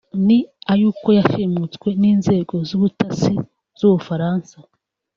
ni ay’uko yashimuswe n’inzego z’Ubutasi z’Ubufaransa